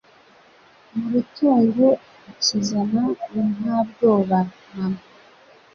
Mu Rutungu akizana ntabwoba namba